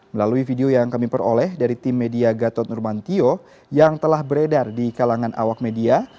melalui video yang kami peroleh dari tim media gatot nurmantio yang telah beredar di kalangan awak media